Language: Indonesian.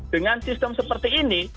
dengan sistem seperti ini